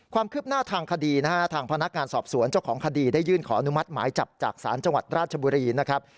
ความคืบหน้าทางคดีนะฮะทางพนักงานสอบสวนเจ้าของคดีได้ยื่นขออนุมัติหมายจับจากศาลจังหวัดราชบุรีนะครับ